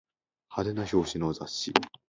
派手な表紙の雑誌